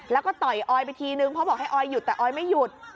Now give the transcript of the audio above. แล้วก็ต่อยออยไปทีนึงเพราะบอกให้ออยหยุดแต่ออยไม่หยุด